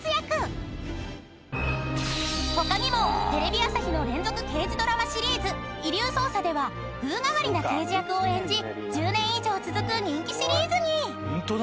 ［他にもテレビ朝日の連続刑事ドラマシリーズ『遺留捜査』では風変わりな刑事役を演じ１０年以上続く人気シリーズに］